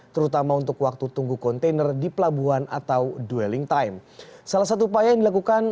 terutama untuk waktu tunggu kontainer di pelabuhan atau dwelling time salah satu upaya yang dilakukan